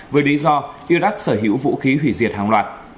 với lý do iraq sở hữu vũ khí hủy diệt hàng loạt